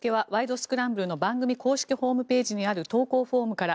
スクランブル」の番組公式ホームページにある投稿フォームから。